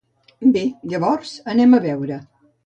Bé, llavors, anem a veure.